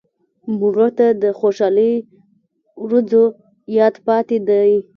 مړه ته د خوشحالۍ ورځو یاد پاتې دی